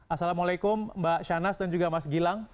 assalamualaikum mbak shanas dan juga mas gilang